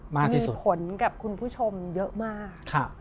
มีผลกับคุณผู้ชมเยอะมาก